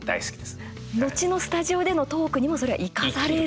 後のスタジオでのトークにもそれが生かされる。